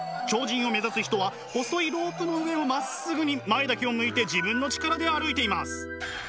超人を目指す人は細いロープの上をまっすぐに前だけを向いて自分の力で歩いています。